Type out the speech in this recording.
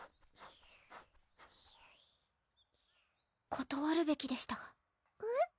⁉ことわるべきでしたえっ？